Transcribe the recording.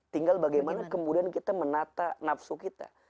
tinggal bagaimana kemudian kita menata nafsu kita